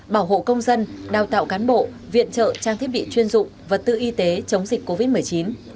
bảo hộ công dân đào tạo cán bộ viện trợ trang thiết bị chuyên dụng vật tư y tế chống dịch covid một mươi chín